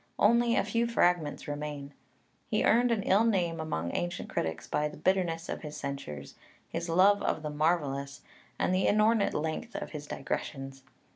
Only a few fragments remain. He earned an ill name among ancient critics by the bitterness of his censures, his love of the marvellous, and the inordinate length of his digressions.